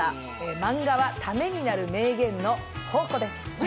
マンガはためになる名言の宝庫です。